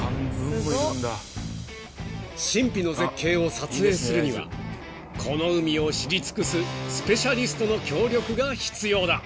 ［神秘の絶景を撮影するにはこの海を知り尽くすスペシャリストの協力が必要だ］